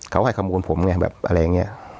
เขาให้ข้อมูลผมไงแบบอะไรอย่างนี้